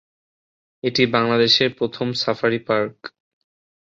এটি বাংলাদেশের প্রথম সাফারি পার্ক।